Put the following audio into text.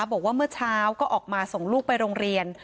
บอกว่าเมื่อเช้าก็ออกมาส่งลูกไปโรงเรียน